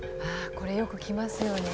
これよく来ますよね。